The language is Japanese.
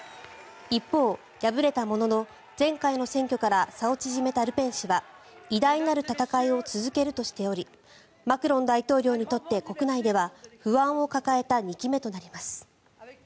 一方、敗れたものの前回の選挙から差を縮めたルペン氏は偉大なる戦いを続けるとしておりマクロン大統領にとって国内では不安を抱えた２期目となります。